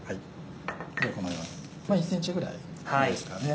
このように１ｃｍぐらいですかね。